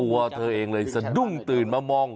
ตัวเธอเองเลยสะดุ้งตื่นมามอง